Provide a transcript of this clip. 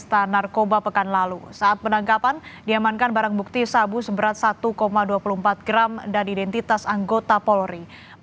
yang kedua dilakukan pendalaman oleh direkturat reserse